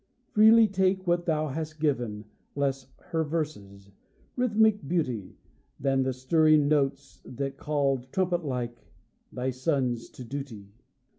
Freely take what thou hast given, Less her verses' rhythmic beauty, Than the stirring notes that called Trumpet like thy sons to duty.